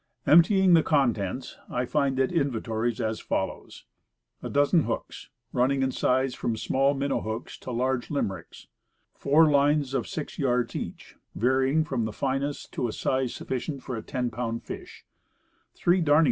Emptying the contents, I find it inventories as follows: A dozen hooks, running in size from small minnow hooks to large Limericks; four lines of six yards each, varying from the finest tc a size sufficient for a ten pound fish; three darning Contents of Ditty Bag.